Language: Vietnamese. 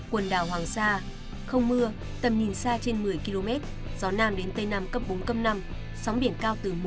quần đảo hoàng sa không mưa tầm nhìn xa trên một mươi km gió nam đến tây nam cấp bốn năm sóng biển cao từ một hai m